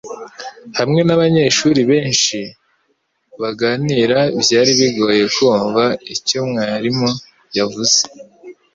Hamwe nabanyeshuri benshi baganira byari bigoye kumva icyo mwarimu yavuze